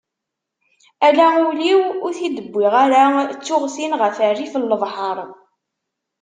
Ala ul-iw ur t-id-wwiγ ara, ttuγ-t-in γef rrif n lebḥeṛ.